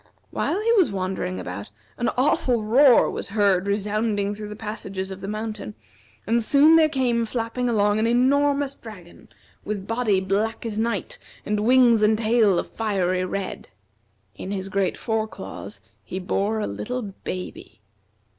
While he was wandering about, an awful roar was heard resounding through the passages of the mountain, and soon there came flapping along an enormous dragon, with body black as night, and wings and tail of fiery red. In his great fore claws he bore a little baby.